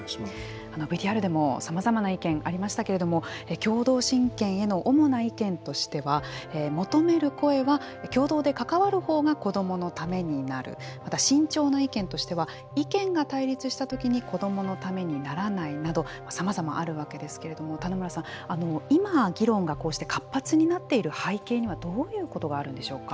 ＶＴＲでもさまざまな意見ありましたけれども共同親権への主な意見としては求める声は、共同で関わる方が子どものためになるまた、慎重な意見としては意見が対立したときに子どものためにならないなどさまざまあるわけですけれども棚村さん、今、議論がこうして活発になっている背景にはどういうことがあるんでしょうか。